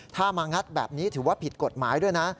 ถ้ามางัดแบบนี้ถือว่าผิดกฎหมายด้วยนะ